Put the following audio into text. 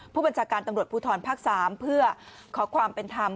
ผู้บัญชาการตำรวจภูทรภาค๓เพื่อขอความเป็นธรรม